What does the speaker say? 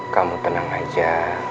kamu tenang aja